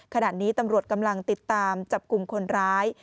ขณะนี้ตำรวจกำลังติดตามจับกลุ่มคนร้าย